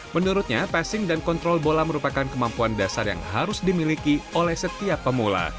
menurutnya passing dan kontrol bola merupakan kemampuan dasar yang harus dimiliki oleh setiap pemula